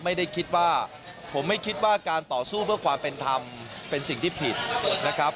ไม่ได้คิดว่าผมไม่คิดว่าการต่อสู้เพื่อความเป็นธรรมเป็นสิ่งที่ผิดนะครับ